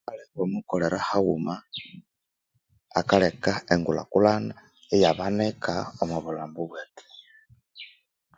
Omwikolera haghuma akaleka engulhakulhana iyabanika omwa bulhambo bwethu.